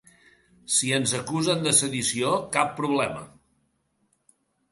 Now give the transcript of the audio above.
Si ens acusen de sedició, cap problema.